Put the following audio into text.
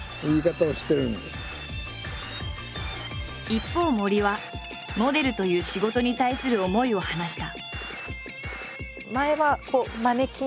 一方森はモデルという仕事に対する思いを話した。